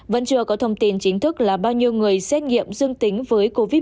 vẫn chưa có thông tin chính thức là bao nhiêu người xét nghiệm dương tính với covid một mươi chín